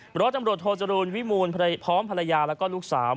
เพราะตำรวจโทจรูลวิมูลพร้อมภรรยาแล้วก็ลูกสาว